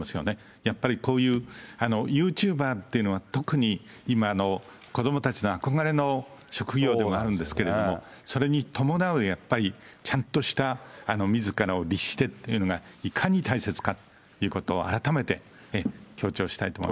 やっぱりこういうユーチューバーっていうのは、特に今、子どもたちの憧れの職業でもあるんですけども、それに伴うやっぱりちゃんとした、みずからを律してっていうのが、いかに大切かということを改めて強調したいと思います。